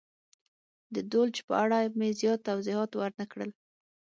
د دولچ په اړه مې زیات توضیحات ور نه کړل.